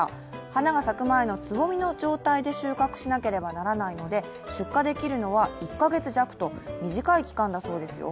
花が咲く前のつぼみの状態から収穫しなければならないので、出荷できるのは１カ月弱と短い期間だそうですよ。